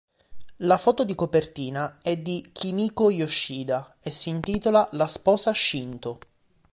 La foto di copertina è di Kimiko Yoshida e si intitola "La sposa shinto".